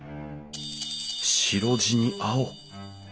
白地に青。